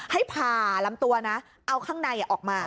ให้ผ่าลำตัวนะเอาข้างในออกมา